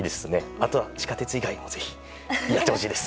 あとは、地下鉄以外もぜひやってほしいです！